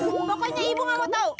pokoknya ibu gak mau tahu